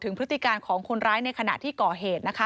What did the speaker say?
พฤติการของคนร้ายในขณะที่ก่อเหตุนะคะ